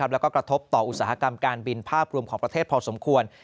แล้วก็กระทบต่ออุตสาหกรรมการบินภาพรวมของประเทศพอสมควร